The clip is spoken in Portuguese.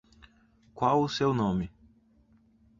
Qual o seu nome?